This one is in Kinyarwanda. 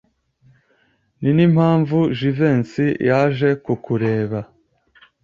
Ninimpamvu Jivency yaje kukureba.